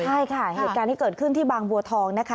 ใช่ค่ะเหตุการณ์ที่เกิดขึ้นที่บางบัวทองนะคะ